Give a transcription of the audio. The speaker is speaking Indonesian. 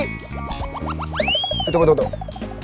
tunggu tunggu tunggu